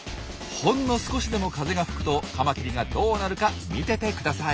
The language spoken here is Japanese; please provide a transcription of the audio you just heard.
ほんの少しでも風が吹くとカマキリがどうなるか見ててください。